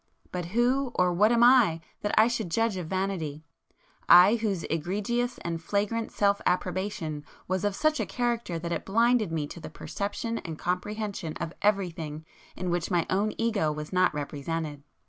But who, or [p 181] what am I that I should judge of vanity,—I whose egregious and flagrant self approbation was of such a character that it blinded me to the perception and comprehension of everything in which my own Ego was not represented!